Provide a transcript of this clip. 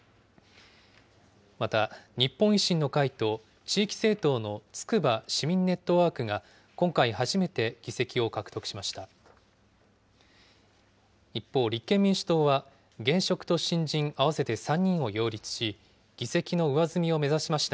また、日本維新の会と、地域政党のつくば・市民ネットワークが今回初めて議席を獲得しました。